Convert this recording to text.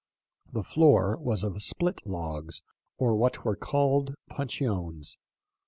The floor was of split logs, or what were called puncheons.